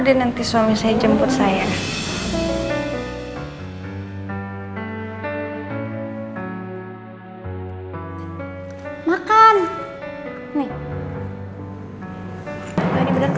deh nanti suami saya jemput saya makan nih benar